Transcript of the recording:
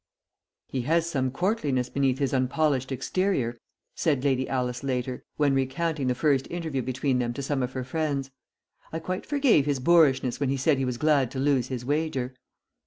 "He has some courtliness beneath his unpolished exterior," said Lady Alice later, when recounting the first interview between them to some of her friends. "I quite forgave his boorishness when he said he was glad to lose his wager."